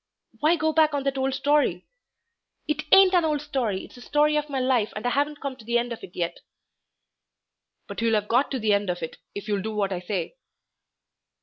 "Why go back on that old story?" "It ain't an old story, it's the story of my life, and I haven't come to the end of it yet." "But you'll have got to the end of it if you'll do what I say."